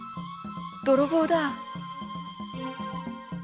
泥棒だ！